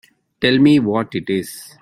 Tell me what it is.